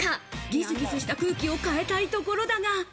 ギスギスした空気を変えたいところだが。